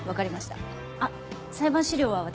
あっ裁判資料は私が。